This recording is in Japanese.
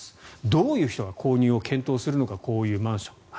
どういう人が購入を検討するのかこういうマンションを。